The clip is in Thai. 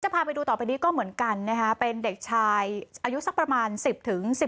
พาไปดูต่อไปนี้ก็เหมือนกันนะคะเป็นเด็กชายอายุสักประมาณ๑๐๑๕